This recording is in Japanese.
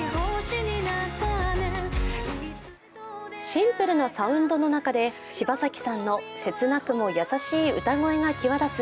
シンプルなサウンドの中で柴咲さんの切なくも優しい歌声が際立つ